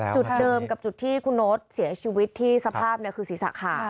จุดเดิมกับจุดที่คุณโน๊ตเสียชีวิตที่สภาพคือศีรษะขาด